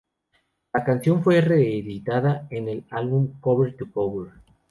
La canción fue reeditada en el álbum "Cover to Cover".